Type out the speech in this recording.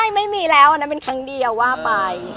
ไม่มีแล้วอันนั้นเป็นครั้งเดียวว่าไป